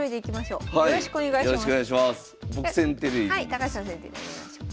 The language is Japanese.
高橋さん先手でお願いします。